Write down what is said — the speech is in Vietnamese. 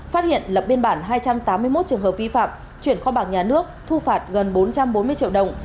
phát hiện lập biên bản hai trăm tám mươi một trường hợp vi phạm chuyển kho bạc nhà nước thu phạt gần bốn trăm bốn mươi triệu đồng